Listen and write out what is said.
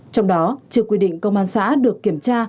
trong đó chưa quy định công an xã được kiểm tra